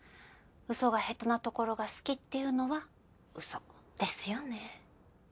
嘘が下手なところが好きっていうのは嘘。ですよね。